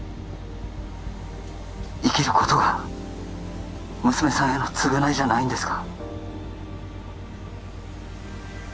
生きることが娘さんへの償いじゃないんですか？